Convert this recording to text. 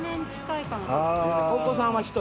お子さんは１人？